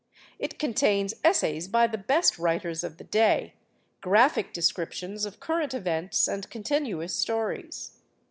It contains essays by the best writers of the day, graphic descriptions of current events, and continuous stories.